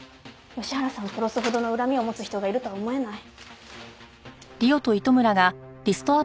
吉原さんを殺すほどの恨みを持つ人がいるとは思えない。